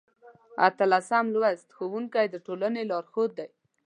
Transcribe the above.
اتلسم لوست: ښوونکی د ټولنې لارښود